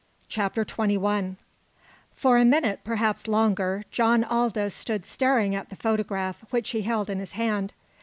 CHAPTER XXI For a minute, perhaps longer, John Aldous stood staring at the photograph which he held in his hand.